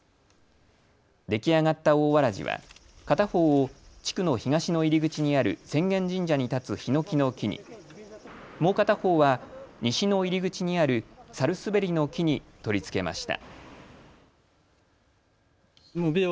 出来上がった大わらじは片方を地区の東の入り口にある浅間神社に立つヒノキの木に、もう片方は西の入り口にあるサルスベリの木に取り付けました。